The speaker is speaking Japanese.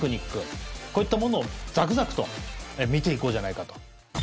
こういったものをザクザクと見ていこうじゃないかと。